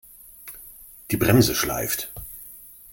Die Bremse schleift.